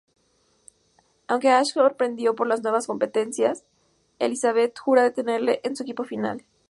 Aunque Ash sorprendido por las nuevas competencias, Elisabeth jura detenerle en su equipo final.